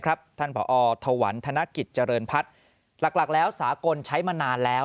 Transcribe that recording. ท่านผอถวันธนกิจเจริญพัฒน์หลักแล้วสากลใช้มานานแล้ว